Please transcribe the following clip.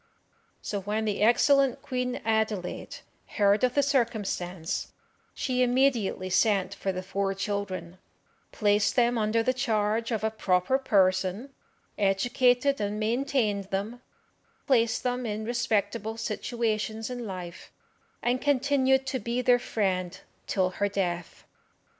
So when the excellent Queen Adelaide heard of the circumstance, she immediately sent for the four children, placed them under the charge of a proper person, educated and maintained them, placed them in respectable situations in life, and continued to be their friend till her death.